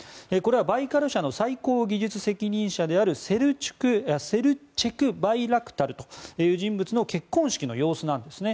バイカル社の最高技術責任者であるセルチュク・バイラクタルという人物の結婚式の様子なんですね。